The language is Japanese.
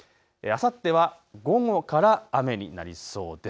あさっては午後から雨になりそうです。